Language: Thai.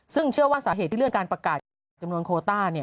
ซึ่งเชื่อว่าสาเหตุในเรื่องการประกาศจำนวนโคต้าเนี่ย